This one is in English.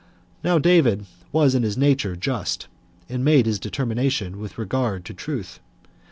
Now David was in his nature just, and made his determination with regard to truth.